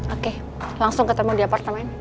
oke langsung ketemu di apartemen